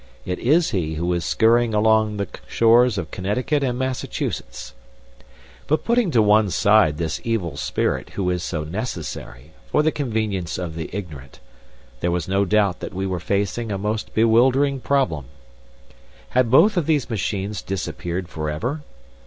It is he who is scurrying along the shores of Connecticut and Massachusetts. But putting to one side this evil spirit who is so necessary, for the convenience of the ignorant, there was no doubt that we were facing a most bewildering problem. Had both of these machines disappeared forever?